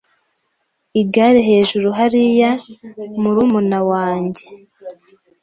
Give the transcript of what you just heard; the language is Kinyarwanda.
Igare hejuru hariya murumuna wanjye.